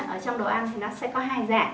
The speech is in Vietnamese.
ở trong đồ ăn thì nó sẽ có hai dạng